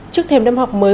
trước thêm năm học mới